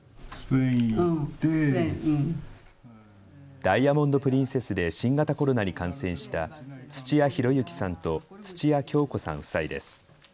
ダイヤモンド・プリンセスで新型コロナに感染した土屋碩之さんと土屋京子さん夫妻です。